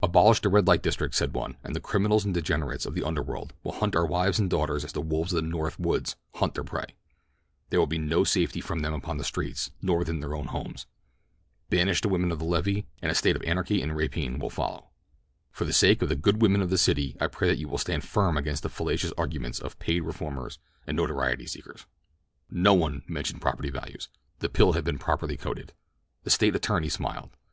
"Abolish the red light district," said one, "and the criminals and degenerates of the underworld will hunt our wives and daughters as the wolves of the North woods hunt their prey—there will be no safety for them upon the streets nor within their own homes. Banish the women of the levee, and a state of anarchy and rapine will follow. For the sake of the good women of the city I pray that you will stand firm against the fallacious arguments of paid reformers and notoriety seekers." No one mentioned property values—the pill had been properly coated. The State attorney smiled.